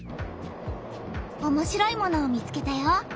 おもしろいものを見つけたよ。